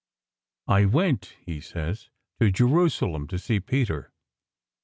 " I went," he says, " to Jerusalem to see Peter."